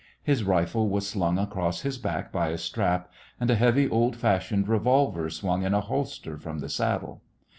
His rifle was slung across his back by a strap, and a heavy, old fashioned revolver swung in a holster from the saddle.